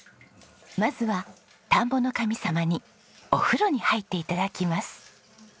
まずは田んぼの神様にお風呂に入って頂きます。